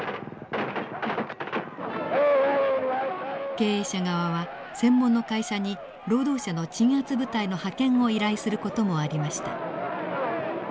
経営者側は専門の会社に労働者の鎮圧部隊の派遣を依頼する事もありました。